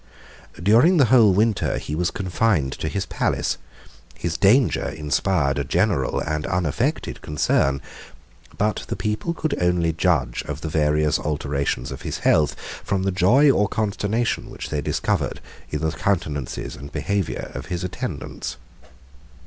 During the whole winter he was confined to his palace: his danger inspired a general and unaffected concern; but the people could only judge of the various alterations of his health, from the joy or consternation which they discovered in the countenances and behavior of his attendants.